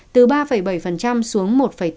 từ ba bảy xuống một bốn